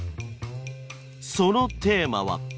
そのテーマは。